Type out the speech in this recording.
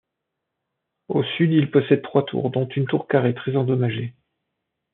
Au sud, il possède trois tours dont une tour carré très endommagée.